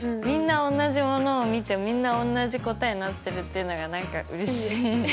みんなおんなじものを見てみんなおんなじ答えになってるっていうのが何かうれしい。